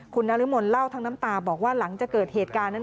คุณนรมนเล่าทั้งน้ำตาบอกว่าหลังจากเกิดเหตุการณ์นั้น